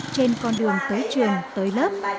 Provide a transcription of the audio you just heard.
trên con đường tới trường tới lớp